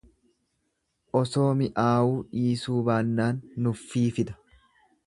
Osoo mi'aawuu dhiisuu baannaan nuffii fida.